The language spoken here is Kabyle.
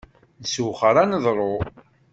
Nessewxer aneḍru.